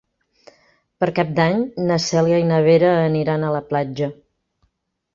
Per Cap d'Any na Cèlia i na Vera aniran a la platja.